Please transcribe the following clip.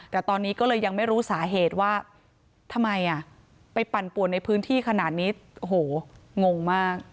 แต่ตอนนี้ก็เลยยังไม่รู้สาเหตุว่าทำไมไปปั่นป่วนในพื้นที่ขนาดนี้โอ้โหงงมาก